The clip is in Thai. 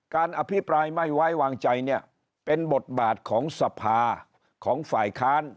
อภิปรายไม่ไว้วางใจเนี่ยเป็นบทบาทของสภาของฝ่ายค้าน